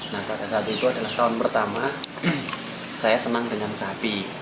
nah pada saat itu adalah tahun pertama saya senang dengan sapi